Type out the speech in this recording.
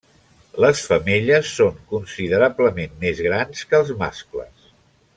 Les femelles són considerablement més grans que els mascles.